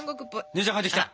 姉ちゃん帰ってきた。